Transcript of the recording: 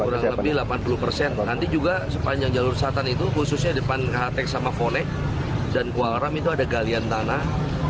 kurang lebih delapan puluh persen nanti juga sepanjang jalur selatan itu khususnya depan hatek sama fonek dan kuaram itu ada galian tanah